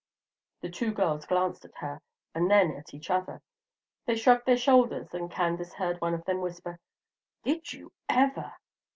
The two girls glanced at her and then at each other. They shrugged their shoulders, and Candace heard one of them whisper, "Did you ever?"